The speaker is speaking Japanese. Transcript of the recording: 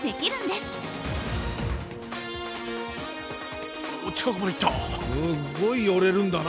すっごい寄れるんだな